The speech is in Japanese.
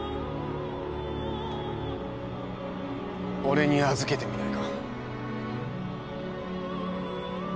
俺に預けてみないか